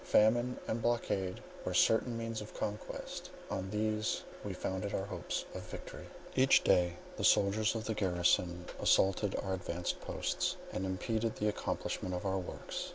Famine and blockade were certain means of conquest; and on these we founded our hopes of victory. Each day the soldiers of the garrison assaulted our advanced posts, and impeded the accomplishment of our works.